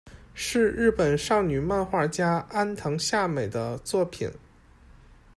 是日本少女漫画家安藤夏美的作品。